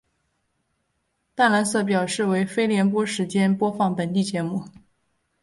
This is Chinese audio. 淡蓝色表示为非联播时间播放本地节目。